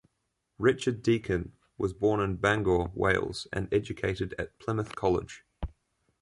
Richard Deacon was born in Bangor, Wales, and educated at Plymouth College.